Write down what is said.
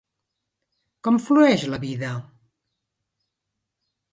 Com flueix la vida?